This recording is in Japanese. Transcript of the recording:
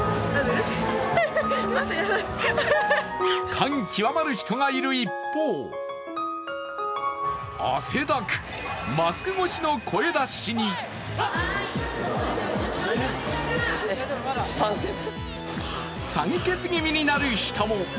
感極まる人がいる一方、汗だく、マスク越しの声出しに酸欠気味になる人も。